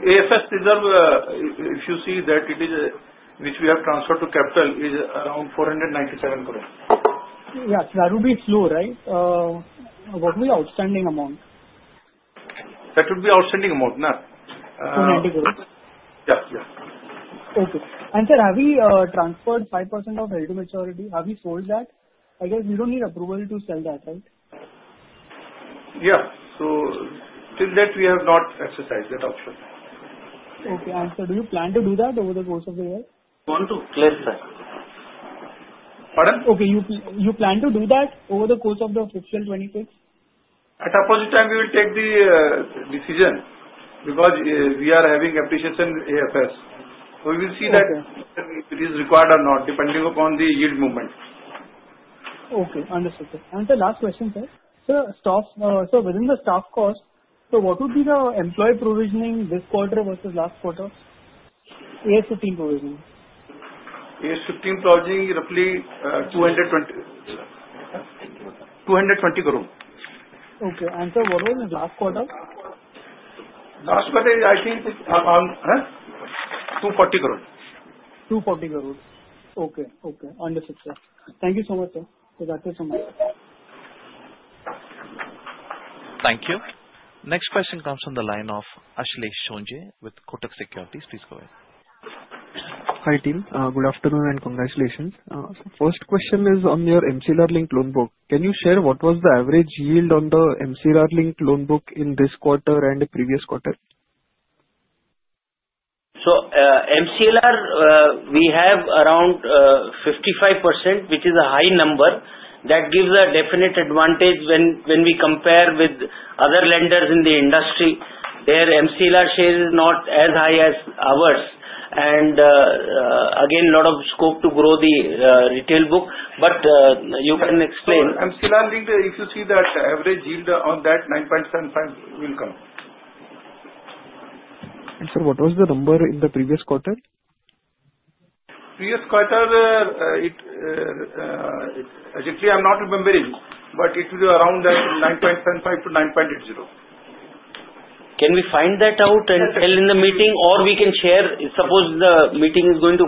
[SPEAKER 3] AFS reserve. If you see that it is which we have transferred to capital is around 497 crore. Yeah, that would be slow. Right. What would be outstanding amount? That would be outstanding amount INR 290 million. Yeah. Yeah. Okay. Sir, have we transferred 5% of held to maturity? Have we sold that? I guess we don't need approval to sell that, right? Yeah, till that, we have not exercised that option. Do you plan to do that over the course of the year? Pardon? Okay. You plan to do that over the course of the official 2026. At appropriate time we will take the decision because we are having appreciation AFS. We will see that it is required or not depending upon the yield movement. Okay. Understood. The last question, sir. Within the staff cost, what would be the employee provisioning this quarter versus last quarter as 15? Provision as 15, provisioning roughly 220. 220. Okay answer. What was in last quarter? I think 240 crore. 240 crore. Okay. Okay. Under success. Thank you so much, sir.
[SPEAKER 1] Thank you. Next question comes from the line of Asheesh Pandey with Kotak Securities. Please go ahead. Hi team. Good afternoon and congratulations. First question is on your MCLR-linked loan book. Can you share what was the average yield on the MCLR-linked loan book in this quarter and previous quarter?
[SPEAKER 2] MCLR, we have around 55%, which is a high number that gives a definite advantage when we compare with other lenders in the industry. Their MCLR share is not as high as ours. There is a lot of scope to grow the retail book. You can explain.
[SPEAKER 3] I'm still undinked if you see that average yield on that 9.75 will come. Sir, what was the number in the previous quarter? Previous quarter, I'm not remembering, but it will be around 9.75% to 9.80%.
[SPEAKER 2] Can we find that out and tell in the meeting or we can share? Suppose the meeting is going to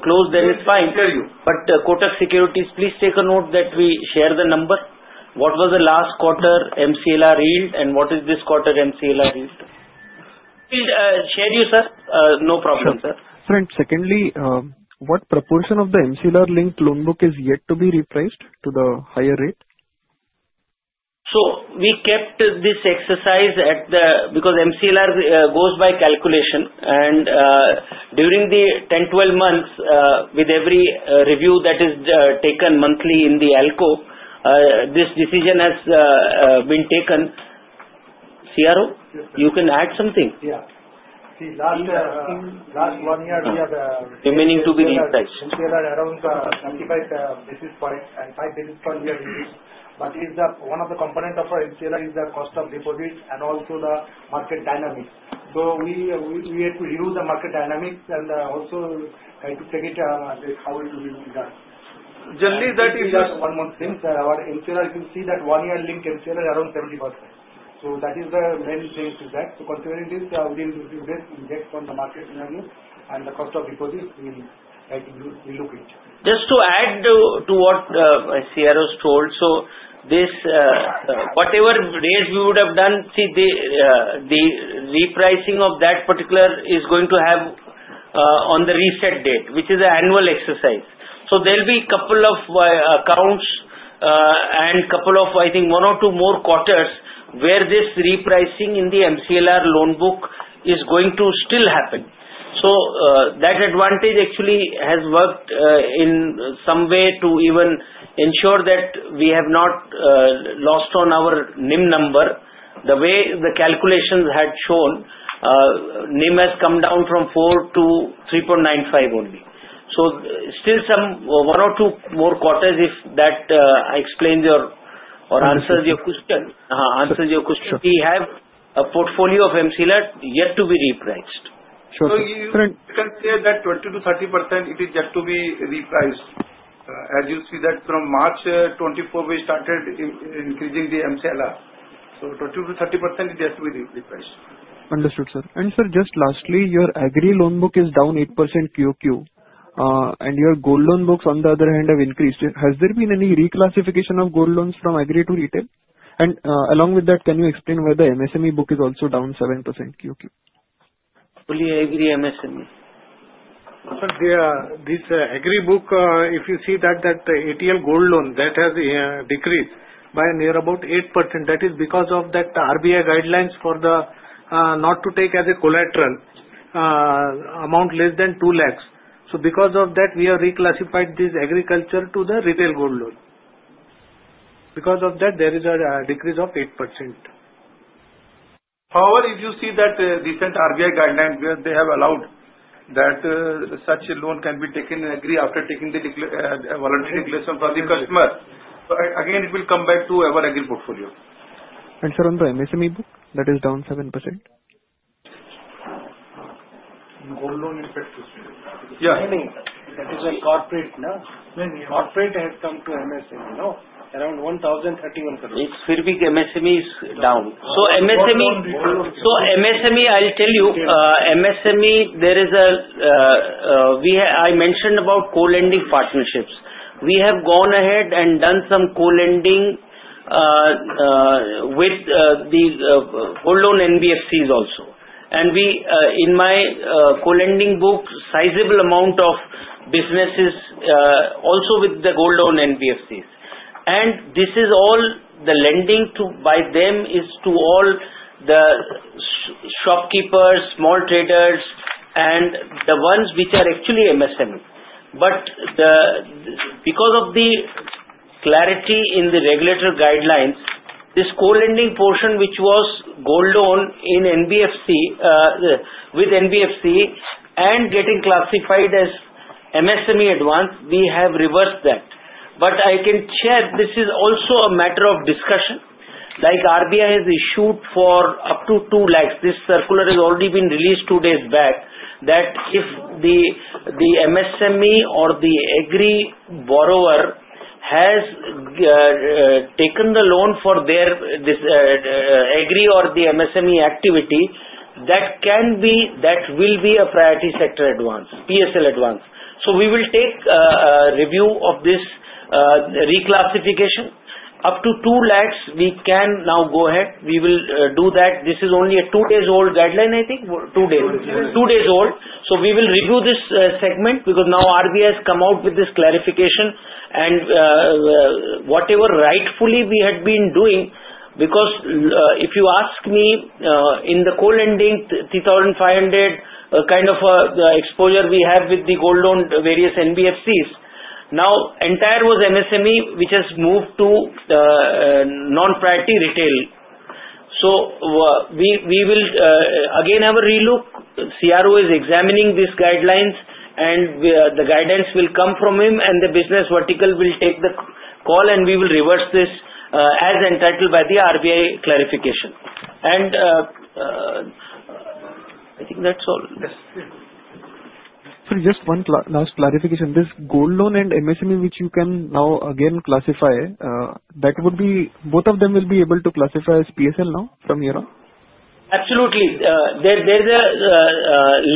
[SPEAKER 2] close, it's fine. Kotak Securities, please take a note that we share the number. What was the last quarter MCLR yield and what is this quarter MCLR yield? No problem, sir. Secondly, what proportion of the MCLR linked loan book is yet to be repriced to the higher rate? We kept this exercise at the, because MCLR goes by calculation, and during the 10-12 months, with every review that is taken monthly in the ALCO, this decision has been taken. CRO, you can add something.
[SPEAKER 3] Yeah. See, last year, last one year, remaining to be real prices for 5 basis points. One of the components of MCLR is the cost of deposits and also the market dynamics. We had to reduce the market dynamics and also try to take it how it has been done. Generally, that is one month links. Our MCLR, you see that one year link MCLR is around 70%, so that is the main thing to that. Considering this inject from the market revenue and the cost of deposits.
[SPEAKER 2] Just to add to what CROs told. Whatever raise we would have done, the repricing of that particular is going to have on the reset date, which is an annual exercise. There will be a couple of accounts and I think one or two more quarters where this repricing in the MCLR loan book is going to still happen. That advantage actually has worked in some way to even ensure that we have not lost on our NIM number. The way the calculations had shown, NIM has come down from 4 to 3.95 only. Still, one or two more quarters if that explains or answers your question. We have a portfolio of MC yet to be repriced.
[SPEAKER 3] You can say that 20% to 30% it is yet to be repriced. As you see that from March 2021 we started increasing the MCLR, so 20% to 30% it has to be repriced. Understood, sir. Sir, just lastly, your agri loan book is down 8% QQ and your gold loan books, on the other hand, have increased. Has there been any reclassification of gold loans from agri to retail? Along with that, can you explain why the MSME book is also down 7% QOQ? Fully agree, MSME. This agri book.
[SPEAKER 2] If you see that ATL gold loan that has decreased by near about 8%, that is because of that RBI guidelines for the not to take as a collateral amount less than 200,000. Because of that we have reclassified this agri to the retail gold loan. Because of that there is a decrease of 8%.
[SPEAKER 3] However, if you see that recent RBI guidelines where they have allowed that such a loan can be taken agri after taking the voluntary for the customer, again it will come back to our agri portfolio. Sir, on the MSME book, that is down 7%. That is a corporate has come to MSME now around.
[SPEAKER 2] 1,031 crore MSME is down. MSME, I'll tell you, MSME, I mentioned about co-lending partnerships. We have gone ahead and done some co-lending with the whole loan NBFCs also, and in my co-lending book, sizable amount of business also with the gold loan NBFCs, and this is all the lending to them, to all the shopkeepers, small traders, and the ones which are actually MSME. Because of the clarity in the regulatory guidelines, this co-lending portion which was gold loan NBFC with NBFC and getting classified as MSME advance, we have reversed that. I can share this is also a matter of discussion, like RBI has issued for up to 200,000. This circular has already been released two days back that if the MSME or the agri borrower has taken the loan for their agri or the MSME activity, that can be, that will be a priority sector advance, PSL advance. We will take review of this reclassification up to 200,000. We can now go ahead. We will do that. This is only a two days old guideline, I think. Two days, two days old. We will review this segment because now RBI has come out with this clarification and whatever rightfully we had been doing. If you ask me, in the co-lending, 3,500 crore kind of the exposure we have with the gold loan various NBFCs, now entire was MSME which has moved to non-priority retail. We will again have a relook. CRO is examining these guidelines and the guidance will come from him, and the business vertical will take the call and we will reverse this as entitled by the RBI clarification. I think that's all. Just one last clarification. This gold loan and MSME, which you can now again classify, that would be both of them will be able to classify as PSL now from here on. Absolutely there is a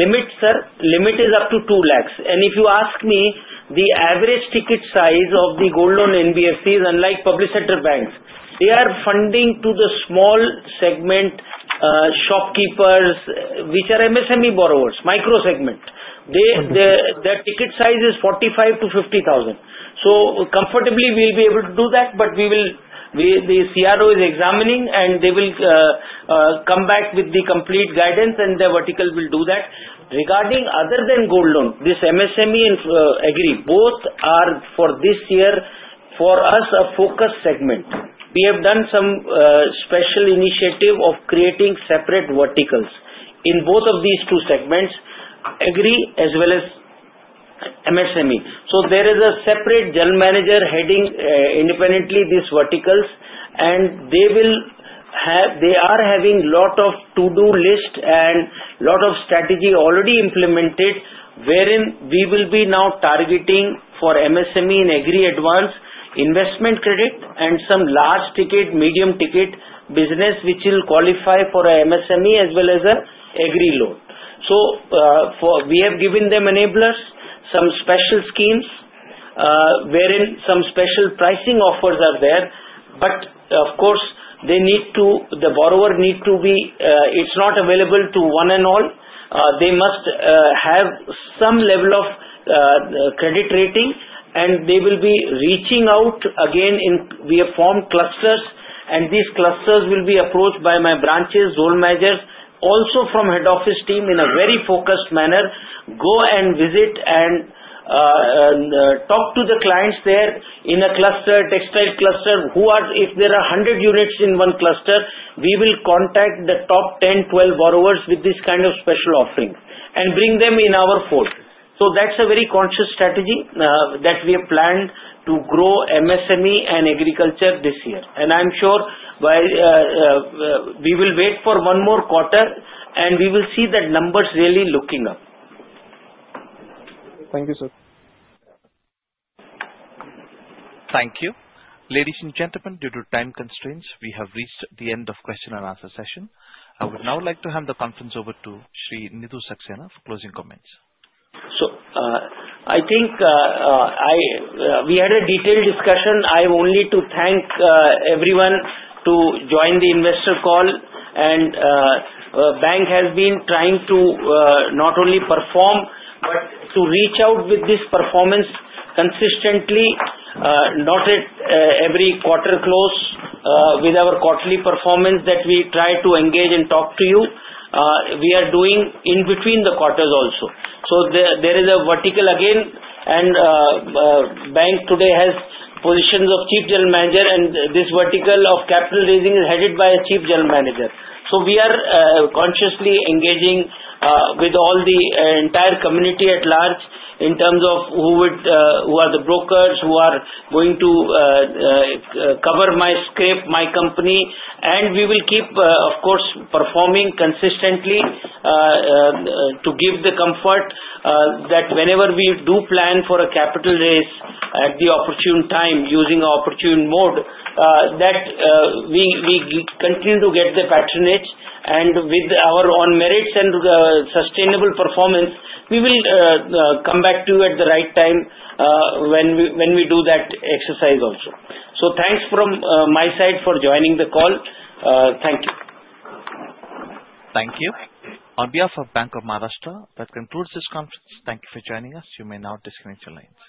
[SPEAKER 2] limit, sir. Limit is up to 2 lakhs. If you ask me, the average ticket size of the gold loan NBFCs, unlike public banks, they are funding to the small segment shopkeepers, which are MSME borrowers. Micro segment, their ticket size is 45,000 to 50,000, so comfortably we will be able to do that. The CRO is examining, and they will come back with the complete guidance, and the vertical will do that. Regarding other than gold loan, this MSME, agri, both are for this year for us a focus segment. We have done some special initiative of creating separate verticals in both of these two segments, agri as well as MSME. There is a separate General Manager heading independently these verticals, and they will have a lot of to-do list and a lot of strategy already implemented, wherein we will be now targeting for MSME in agri advance investment credit and some large ticket, medium ticket business, which will qualify for MSME as well as an agri loan. We have given them enablers, some special schemes wherein some special pricing offers are there, but of course, the borrower needs to be, it's not available to one and all. They must have some level of credit rating, and they will be reaching out again. We have formed clusters, and these clusters will be approached by my branches, zone managers, also from Head Office team in a very focused manner. Go and visit and talk to the clients there in a cluster, textile cluster, if there are hundred units in one cluster, we will contact the top ten, twelve borrowers with this kind of special offering and bring them in our fold. That's a very conscious strategy that we have planned to grow MSME and agriculture this year, and I'm sure we will wait for one more quarter, and we will see that numbers really looking up. Thank you, sir.
[SPEAKER 1] Thank you, ladies and gentlemen. Due to time constraints, we have reached the end of the question and answer session. I would now like to hand the conference over to Sri Nidhu Saxena for closing comments.
[SPEAKER 2] I think we had a detailed discussion. I only want to thank everyone for joining the investor call. Bank of Maharashtra has been trying to not only perform but to reach out with this performance consistently. Not at every quarter close with our quarterly performance that we try to engage and talk to you. We are doing it in between the quarters also. There is a vertical again and Bank of Maharashtra today has positions of Chief General Manager and this vertical of capital raising is headed by a Chief General Manager. We are consciously engaging with the entire community at large in terms of who are the brokers who are going to cover my script, my company. We will keep, of course, performing consistently to give the comfort that whenever we do plan for a capital raise at the opportune time using opportune mode, we continue to get the patronage and with our own merits and sustainable performance. We will come back to you at the right time when we do that exercise also. Thanks from my side for joining the call. Thank you.
[SPEAKER 1] Thank you on behalf of Bank of Maharashtra. That concludes this conference. Thank you for joining us. You may now disconnect your lines. Thank you.